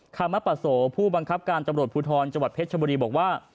คามปะโสผู้บังคับการตำรวจภูทรจังหวัดเพชรชบุรีบอกว่า